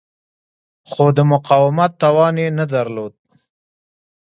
خو د مقاومت توان یې نه درلود.